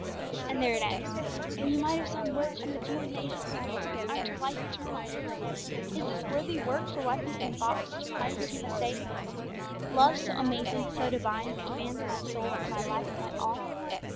And there it ends, when you might have sown words from which you and they should reap fruit unto life eternal. Is this worthy work for one who has been bought with such a price that he must say, 'Love so amazing, so divine, Demands my soul, my life, my all'?